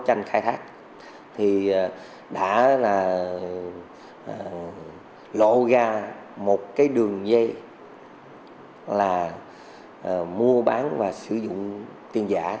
trang khai thác đã lộ ra một đường dây là mua bán và sử dụng tiền giả